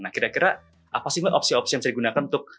nah kira kira apa sih opsi opsi yang bisa digunakan untuk